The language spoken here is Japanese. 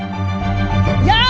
やあ！